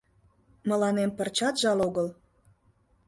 — Мыланем пырчат жал огыл.